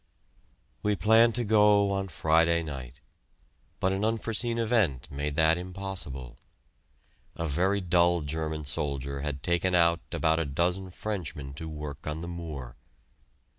We planned to go on Friday night, but an unforeseen event made that impossible. A very dull German soldier had taken out about a dozen Frenchmen to work on the moor.